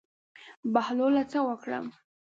بهلوله څه وکړم.